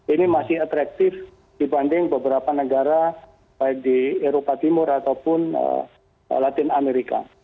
ini masih atraktif dibanding beberapa negara baik di eropa timur ataupun latin amerika